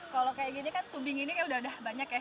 kalau kayak gini kan tubing ini udah banyak ya